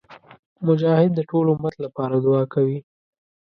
مجاهد د ټول امت لپاره دعا کوي.